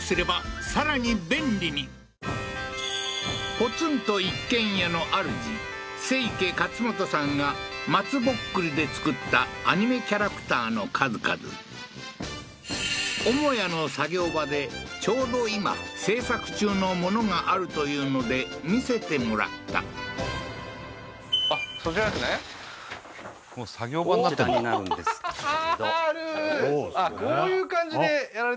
ポツンと一軒家のあるじ清家勝元さんが松ぼっくりで作ったアニメキャラクターの数々母屋の作業場でちょうど今製作中のものがあるというので見せてもらったあっそちらですねははははっお父さんの趣味のおうちだね